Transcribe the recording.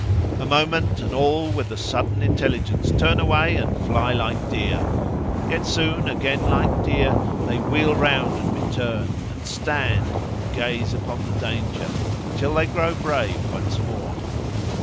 A moment, and all with a sudden intelligence turn away and fly like deer, yet soon again like deer they wheel round and return, and stand, and gaze upon the danger, until they grow brave once more.